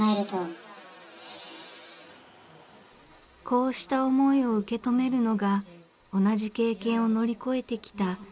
こうした思いを受け止めるのが同じ経験を乗り越えてきたスタッフの役目。